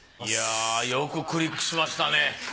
いやよくクリックしましたね。